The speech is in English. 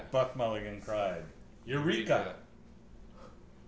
_ Buck Mulligan cried. _Eureka!